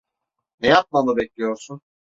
Ne yapmamı bekliyorsun?